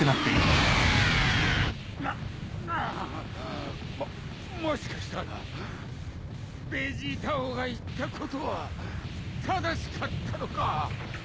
ももしかしたらベジータ王が言ったことは正しかったのか。